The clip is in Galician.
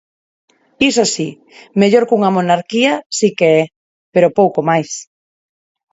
Iso si, mellor cunha monarquía si que é, pero pouco máis.